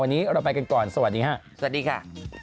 วันนี้เราไปกันก่อนสวัสดีค่ะสวัสดีค่ะ